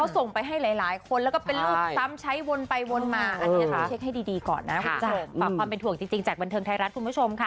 ต้องพร้อมปล้องความเป็นถุงจริงจากบรรเทิงไทยรัติ